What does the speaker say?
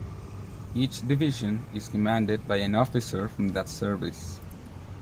Each division is commanded by an officer from that service.